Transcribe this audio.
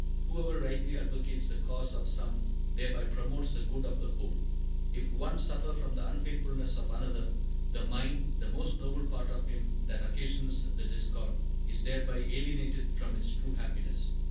"Whoever rightly advocates the cause of some thereby promotes the good of the whole." "If one suffer by the unfaithfulness of another, the mind, the most noble part of him that occasions the discord, is thereby alienated from its true happiness."